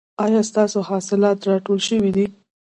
ایا ستاسو حاصلات راټول شوي دي؟